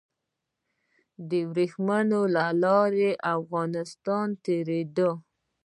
د وریښمو لاره له افغانستان تیریده